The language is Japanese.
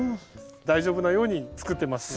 大丈夫なようにつくってます。